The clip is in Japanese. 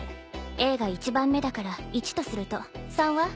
Ａが１番目だから１とすると３は？